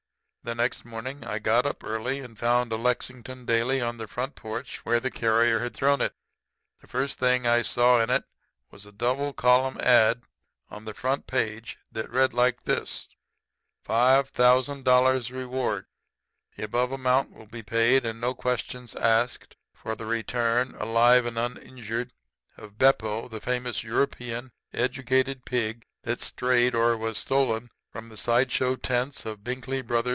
The next morning I got up early, and found a Lexington daily on the front porch where the carrier had thrown it. The first thing I saw in it was a double column ad. on the front page that read like this: FIVE THOUSAND DOLLARS REWARD The above amount will be paid, and no questions asked, for the return, alive and uninjured, of Beppo, the famous European educated pig, that strayed or was stolen from the side show tents of Binkley Bros.'